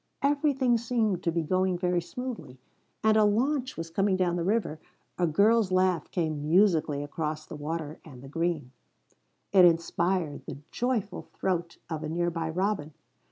Everything seemed to be going very smoothly. And a launch was coming down the river; a girl's laugh came musically across the water and the green; it inspired the joyful throat of a nearby robin.